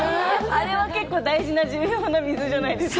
あれは結構、重要な水じゃないですか。